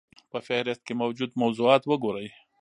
په فهرست کې موجود موضوعات وګورئ.